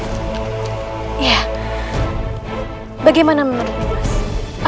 apakah aku bisa menjadi prajurit kerajaan pajajara